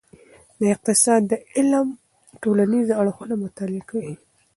د اقتصاد علم ټولنیز اړخونه مطالعه کوي.